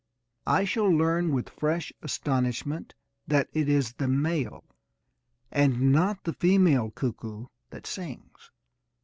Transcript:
I shall learn with fresh astonishment that it is the male, and not the female, cuckoo that sings.